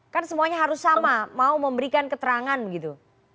kan semuanya harus sama mau memberikan keterangan begitu